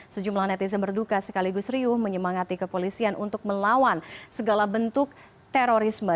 sejumlah netizen berduka sekaligus riuh menyemangati kepolisian untuk melawan segala bentuk terorisme